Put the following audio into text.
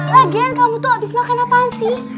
lagi kan kamu tuh habis makan apaan sih